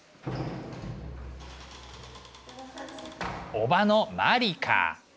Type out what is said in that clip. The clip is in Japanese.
おばのマリカ。